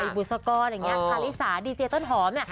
พี่โดยบุษกรคาลิสาดีเซียต้นหอม